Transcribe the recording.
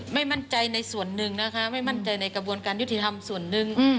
ไม่มั่นใจในส่วนหนึ่งนะคะไม่มั่นใจในกระบวนการยุติธรรมส่วนหนึ่ง